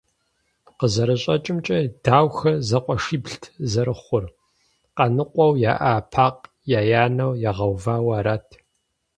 Къызэрыщӏэкӏымкӏэ, Даухэ зэкъуэшиблт зэрыхъур, къаныкъуэу яӏа Пакъ еянэу ягъэувауэ арат.